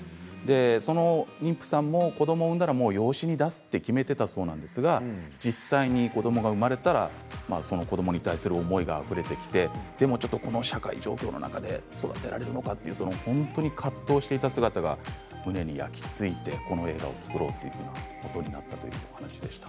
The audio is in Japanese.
その妊婦さんも子どもを産んだら養子に出すと決めていたそうですが実際に子どもが生まれたら子どもに対する思いがあふれてきてでもこの社会状況の中で育てられるのかと葛藤していた姿が胸に焼きついてこの映画を作ろうと思ったということでした。